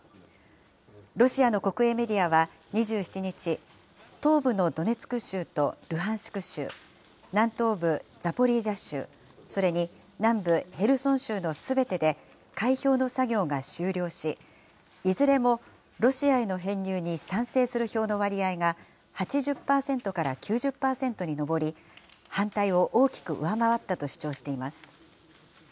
ロシアの国営メディアは２７日、東部のドネツク州とルハンシク州、南東部ザポリージャ州、それに南部ヘルソン州のすべてで、開票の作業が終了し、いずれもロシアへの編入に賛成する票の割合が８０％から９０％に上り、反対を大きく上回ったと主張しています。